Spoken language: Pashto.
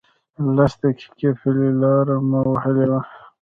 لس دقیقې پلی لاره مو وهلې وه.